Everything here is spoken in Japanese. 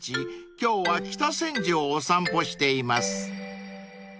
今日は北千住をお散歩しています］